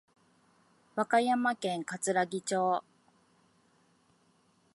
和歌山県かつらぎ町